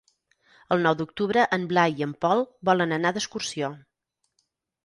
El nou d'octubre en Blai i en Pol volen anar d'excursió.